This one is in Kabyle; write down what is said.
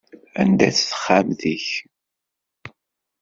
Anida-tt texxamt-ik?